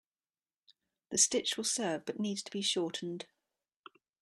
The stitch will serve but needs to be shortened.